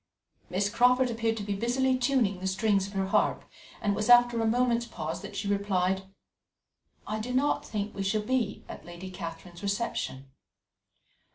Miss Crawford appeared to be busily tuning the strings of her harp, and it was after a moment's pause that she replied: "I do not think we shall be at Lady Catherine's reception."